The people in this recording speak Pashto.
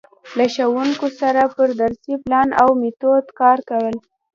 له ښـوونکو سره پر درسي پـلان او میتود کـار کول.